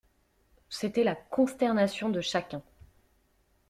C'était la consternation de chacun.